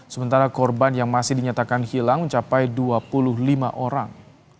sementara korban yang masih dinyatakan hilang mencapai dua puluh lima orang